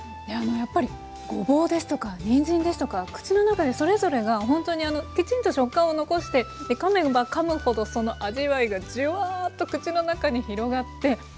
やっぱりごぼうですとかにんじんですとか口の中でそれぞれがほんとにあのきちんと食感を残してかめばかむほどその味わいがジュワーッと口の中に広がって。